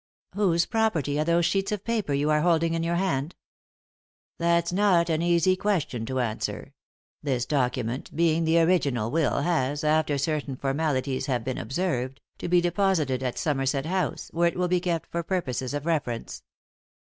"Whose property are those sheets of paper you are holding in your hand ?" "That's not an easy question to answer. This document, being the original will, has, after certain formalities have been observed, to be deposited at Somerset House, where it will be kept for purposes of reference."